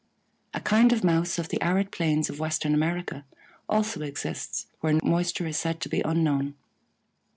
A kind of Mouse of the arid plains of western America also exists where moisture is said to be unknown.